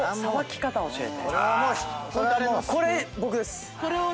これ僕です。